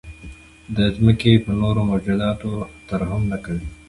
د ځمکې په نورو موجوداتو ترحم نه کوئ.